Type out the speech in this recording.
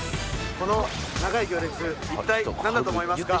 この長い行列一体なんだと思いますか？